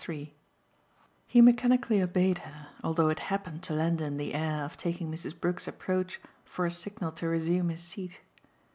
III He mechanically obeyed her although it happened to lend him the air of taking Mrs. Brook's approach for a signal to resume his seat.